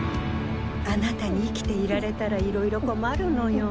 あなたに生きていられたらいろいろ困るのよ